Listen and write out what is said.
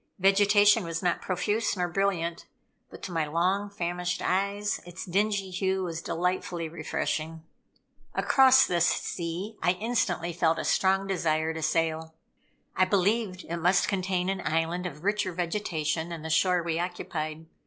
Vegetation was not profuse nor brilliant, but to my long famished eyes, its dingy hue was delightfully refreshing. Across this sea I instantly felt a strong desire to sail. I believed it must contain an island of richer vegetation than the shore we occupied.